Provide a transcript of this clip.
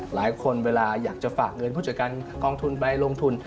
หลายคนเวลาอยากจะฝากเงินผู้จัดการกองทุนไปลงทุน